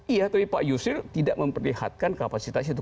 iya tapi pak yusril tidak memperlihatkan kapasitas itu